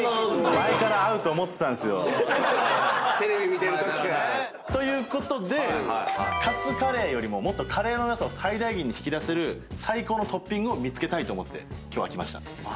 前からね。ということでカツカレーよりももっとカレーの良さを最大限に引き出せる最高のトッピング見つけたいと思って今日は来ました。